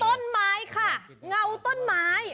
ต้นไม้ค่ะเงาต้นไม้